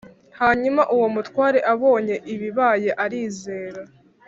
Hanyuma uwo mutware abonye ibibaye arizera.